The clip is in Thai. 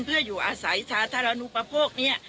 เพื่ออยู่อาศัยสาธารณูปโภคเนี่ย